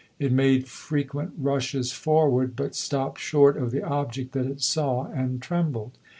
It made frequent rushes forward, but stopped short of the object that it saw and trembled.